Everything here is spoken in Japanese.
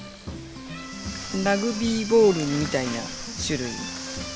ラグビーボールみたいな種類。